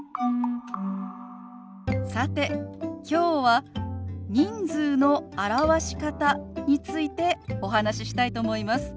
さてきょうは人数の表し方についてお話ししたいと思います。